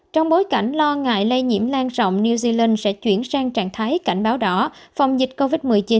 trong bối cảnh lo ngại lây nhiễm lan rộng new zealand sẽ chuyển sang trạng thái cảnh báo đỏ phòng dịch covid một mươi chín